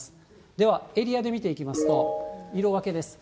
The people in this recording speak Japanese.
ではエリアで見ていきますと、色分けです。